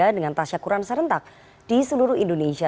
dengan tasya kuran serentak di seluruh indonesia